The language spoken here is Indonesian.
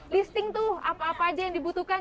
listing tuh apa apa aja yang dibutuhkan